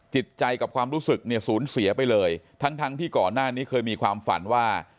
จิตใจกับความรู้สึกเนี่ยสูญเสียไปเลยทั้งทั้งที่ก่อนหน้านี้เคยมีความฝันว่า